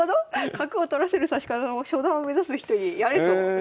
角を取らせる指し方を初段を目指す人にやれと先生。